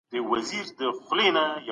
زه هر وار هڅه کوم چي پر وخت کارونه وکړم.